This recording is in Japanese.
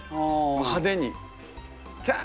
派手に。